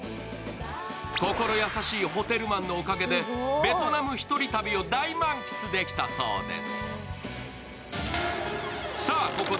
心優しいホテルマンのおかげでベトナムひとり旅を大満喫できたそうです。